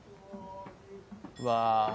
うわ。